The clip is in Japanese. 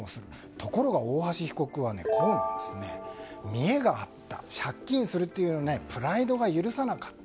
ところが大橋被告は見栄があり、借金することをプライドが許さなかった。